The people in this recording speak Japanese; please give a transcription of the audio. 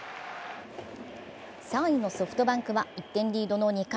３位のソフトバンクは１点リードの２回。